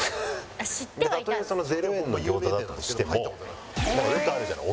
たとえ０円の餃子だったとしてもよくあるじゃない？